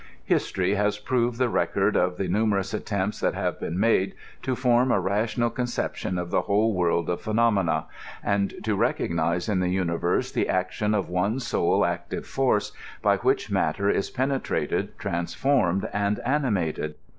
History has preserved the record of the numerous attempts that have heen made to form a rational conception of the whole world of phenomena, and to recognize in the universe the action of one sole active force hy which matter is pene trated, transformed, and animated.